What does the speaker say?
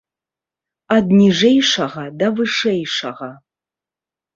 Ад ніжэйшага да вышэйшага.